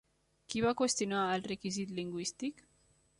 Qui va qüestionar el requisit lingüístic?